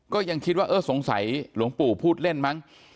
ก็ยังคิดว่าเออสงสัยหลวงปู่พูดเล่นมั้ง